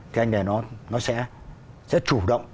thì anh này nó sẽ chủ động